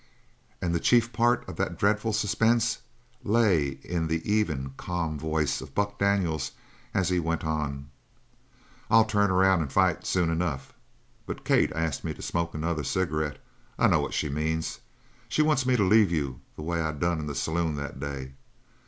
And the chief part of that dreadful suspense lay in the even, calm voice of Buck Daniels as he went on: "I'll turn around and fight soon enough. But Kate asked me to smoke another cigarette. I know what she means. She wants me to leave you the way I done in the saloon that day.